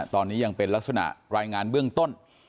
ตอนนี้ยังเป็นลักษณะรายงานเบื้องต้น